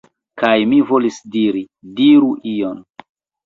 Kaj mi volis diri: "Diru ion!"